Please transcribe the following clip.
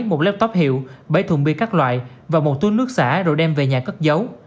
một laptop hiệu bảy thùng bia các loại và một túi nước xả rồi đem về nhà cất giấu